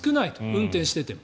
運転していても。